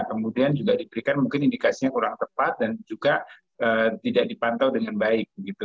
kemudian juga diberikan mungkin indikasinya kurang tepat dan juga tidak dipantau dengan baik